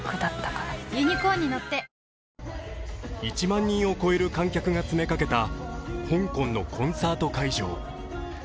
１万人を超える観客が詰めかけた香港のコンサート会場。